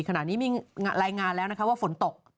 ขณะนี้มีรายงานแล้วนะคะว่าฝนตก